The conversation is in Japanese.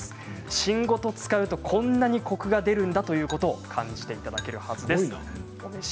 芯ごと使うとこんなにコクが出るんだということを感じていただけるはずです。